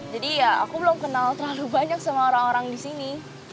jadi ya aku belum kenal terlalu banyak sama orang orang di sini